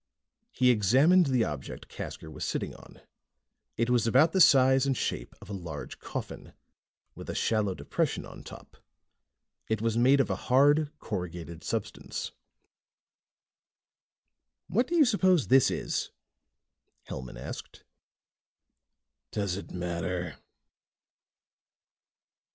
He examined the object Casker was sitting on. It was about the size and shape of a large coffin, with a shallow depression on top. It was made of a hard, corrugated substance. "What do you suppose this is?" Hellman asked. "Does it matter?"